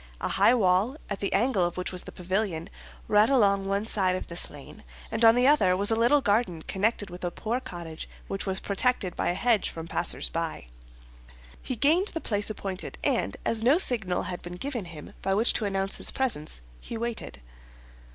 A high wall, at the angle of which was the pavilion, ran along one side of this lane, and on the other was a little garden connected with a poor cottage which was protected by a hedge from passers by. He gained the place appointed, and as no signal had been given him by which to announce his presence, he waited.